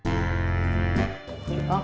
tidak atau lu